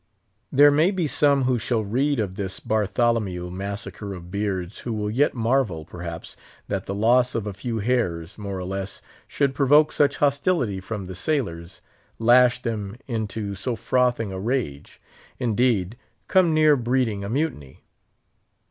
There may be some who shall read of this Bartholomew Massacre of beards who will yet marvel, perhaps, that the loss of a few hairs, more or less, should provoke such hostility from the sailors, lash them into so frothing a rage; indeed, come near breeding a mutiny.